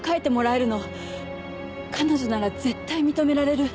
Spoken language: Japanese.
彼女なら絶対認められる。